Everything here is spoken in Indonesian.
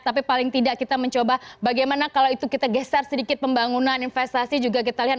tapi paling tidak kita mencoba bagaimana kalau itu kita geser sedikit pembangunan investasi juga kita lihat